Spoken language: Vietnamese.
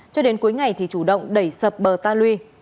cho đến cuối ngày thì chủ động đẩy sập bờ ta lui